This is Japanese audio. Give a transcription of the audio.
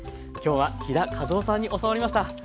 きょうは飛田和緒さんに教わりました。